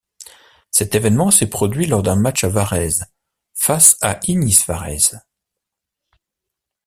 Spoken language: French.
Cet événement s'est produit lors d'un match à Varèse face à Ignis Varèse.